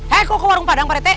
hei kok ke warung padang pak rete